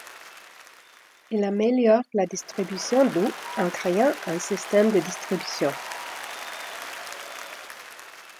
Il améliore la distribution d'eau en créant un système de distribution.